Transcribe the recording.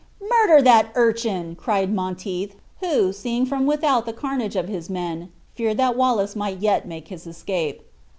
"Murder that urchin!" cried Monteith, who, seeing from without the carnage of his men, feared that Wallace might yet make his escape.